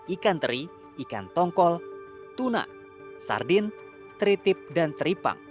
ikan teri ikan tongkol tuna sardin teritip dan tripang